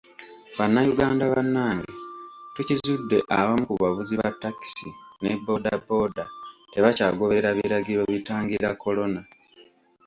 Bannayuganda bannange, tukizudde abamu ku bavuzi ba takisi ne bodaboda tebakyagoberera biragiro bitangira kolona.